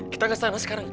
kita ke sana sekarang